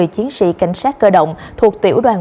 một trăm một mươi chiến sĩ cảnh sát cơ động thuộc tiểu đoàn một